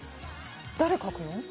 誰書くの？